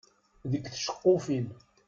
Deg tceqqufin.